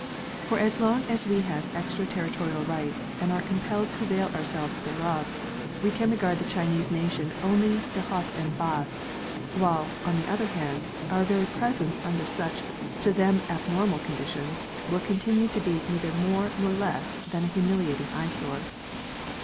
For as long as we have ex territorial rights, and are compelled to avail our selves thereof, we can regard the Chinese nation only dje haut en has; while, on the other hand, our very presence under such, to them abnormal conditions, will continue to be neither more or less than a humi liating eye sore.